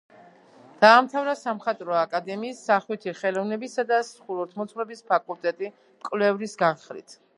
დაამთავრა სამხატვრო აკადემიის სახვითი ხელოვნებისა და ხუროთმოძღვრების ფაკულტეტი მკვლევრის განხრით.